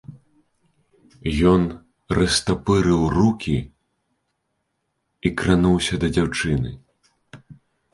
Ён растапырыў рукі і крануўся да дзяўчыны.